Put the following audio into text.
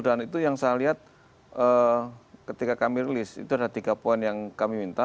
dan itu yang saya lihat ketika kami rilis itu ada tiga poin yang kami minta